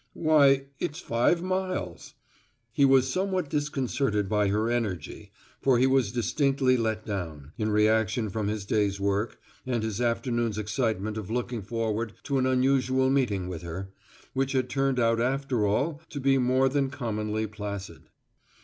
"Why, it's five miles." He was somewhat disconcerted by her energy, for he was distinctly let down, in reaction from his day's work, and his afternoon's excitement of looking forward to an unusual meeting with her, which had turned out after all to be more than commonly placid.